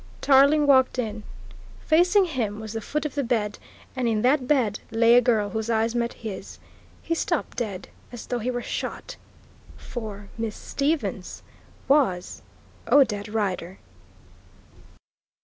Tarling walked in. Facing him was the foot of the bed, and in that bed lay a girl whose eyes met his. He stopped dead as though he were shot For "Miss Stevens" was Odette Rider!